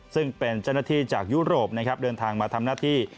ซึ่งเป็นเจ้าหน้าที่จากยุโรปนะครับเดินทางมาทำหน้าที่